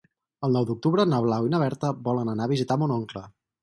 El nou d'octubre na Blau i na Berta volen anar a visitar mon oncle.